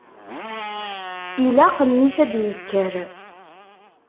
Ilaq mmi-s ad d-yekker.